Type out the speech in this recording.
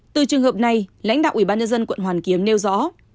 từ trường hợp này lãnh đạo ủy ban nhân dân quận hoàn kiếm nêu rõ